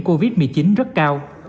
covid một mươi chín rất cao